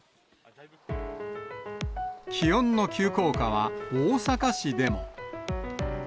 気温の急降下は、大阪市でも。